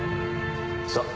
さあ。